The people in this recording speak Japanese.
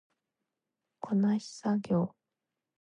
こなし作業